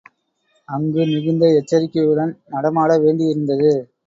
அங்கு மிகுந்த எச்சரிகையுடன் நடமாட வேண்டியிருந்தது.